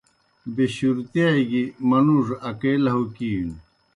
بیشُورتِیا گیْ منُوڙوْ اکےلہُوکِینوْ۔